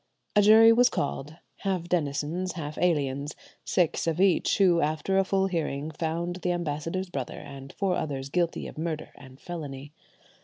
A jury was called, half denizens, half aliens, six of each, who, after a full hearing, found the ambassador's brother and four others guilty of murder and felony.